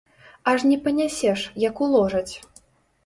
Аж не панясеш, як уложаць!